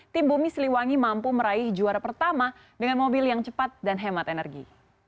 tim bumi siliwangi mampu meraih juara pertama dengan mobil yang cepat dan hemat energi